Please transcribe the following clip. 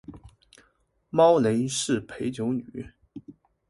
猫雷是陪酒女